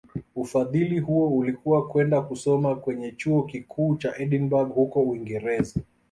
Ufahili huo ulikuwa kwenda kusoma kwenye Chuo Kikuu cha Edinburgh huko Uingereza